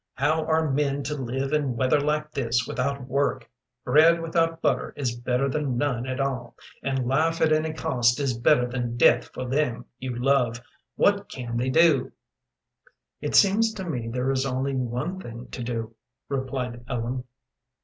How are men to live in weather like this without work? Bread without butter is better than none at all, and life at any cost is better than death for them you love. What can they do?" "It seems to me there is only one thing to do," replied Ellen.